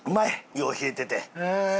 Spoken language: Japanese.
よう冷えてて。